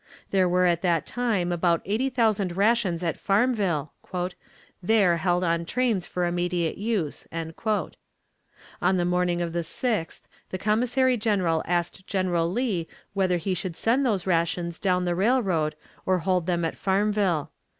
There were at that time about eighty thousand rations at Farmville, "there held on trains for immediate use." On the morning of the 6th the Commissary General asked General Lee whether he should send those rations down the railroad or hold them at Farmville.